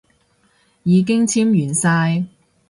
已經簽完晒